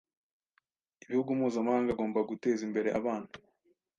Ibihugu mpuzamahanga agomba guteza imbere abana